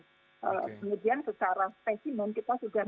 kemudian secara spesimen kita sudah